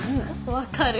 分かる。